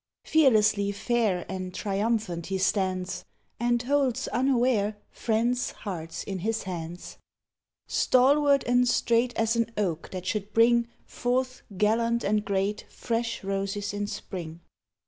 Fearlessly fair And triumphant he stands, And holds unaware Friends' hearts in his hands; Stalwart and straight As an oak that should bring Forth gallant and great Fresh roses in spring.